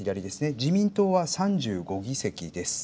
自民党は３５議席です。